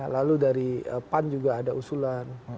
lalu dari pan juga ada usulan